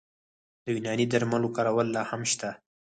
د یوناني درملو کارول لا هم شته.